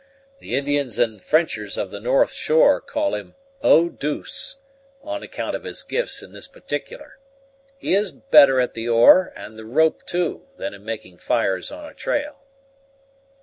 The Indians and Frenchers of the north shore call him Eau douce, on account of his gifts in this particular. He is better at the oar, and the rope too, than in making fires on a trail."